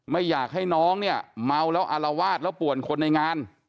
ไม่อยากให้น้องเนี่ยเมาแล้วอารวาสแล้วป่วนคนในงาน